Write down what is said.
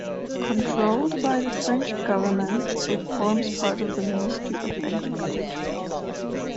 Controlled by the French government, it forms part of the Ministry of Agriculture.